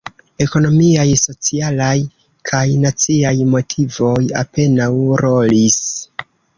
Ekonomiaj, socialaj kaj naciaj motivoj apenaŭ rolis.